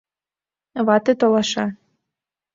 Вате толаша.